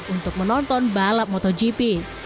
untuk menonton balap motogp